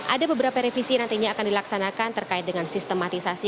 ada beberapa revisi nantinya akan dilaksanakan terkait dengan sistematisasi